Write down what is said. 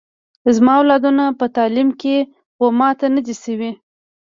زما اولادونه په تعلیم کي و ماته نه دي سوي